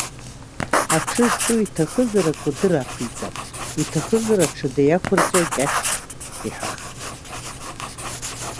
Аҽы зтәу иҭахызар акәадыр ақәиҵап, иҭахызар аҽада иақәырҵо акьахь, иҳәахт.